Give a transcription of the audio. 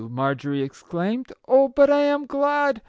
Marjorie exclaimed. " Oh, but I am glad